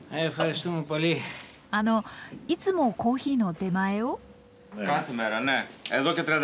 あのいつもコーヒーの出前を？